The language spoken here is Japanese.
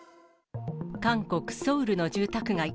韓国・ソウルの住宅街。